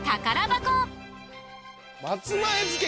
松前漬け。